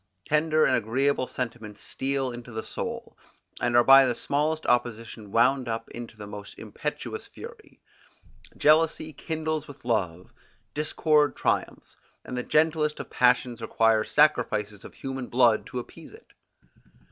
Tender and agreeable sentiments steal into the soul, and are by the smallest opposition wound up into the most impetuous fury: Jealousy kindles with love; discord triumphs; and the gentlest of passions requires sacrifices of human blood to appease it.